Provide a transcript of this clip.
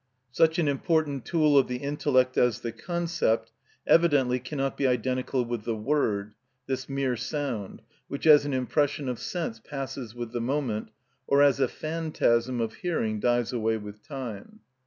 Such an important tool of the intellect as the concept evidently cannot be identical with the word, this mere sound, which as an impression of sense passes with the moment, or as a phantasm of hearing dies away with time.